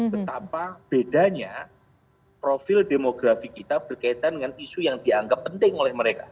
betapa bedanya profil demografi kita berkaitan dengan isu yang dianggap penting oleh mereka